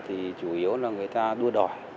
thì chủ yếu là người ta đua đổi